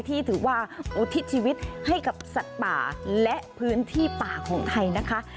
ที่ถือว่าอุทิศชีวิตให้กับสัตว์ป่าและพื้นที่ป่าของไทยนะคะ